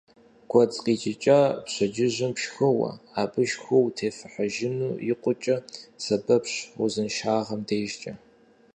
Гуэдз къикӏыкӏа пщэдджыжьым пшхыуэ, абы шху утефыхьыжыну икъукӏэ сэбэпщ узыншагъэм дежкӏэ.